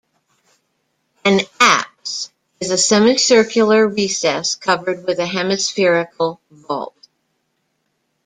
An apse is a semicircular recess covered with a hemispherical vault.